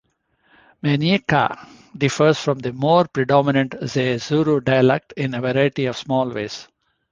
Manyika differs from the more predominant Zezuru dialect in a variety of small ways.